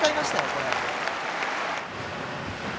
これ。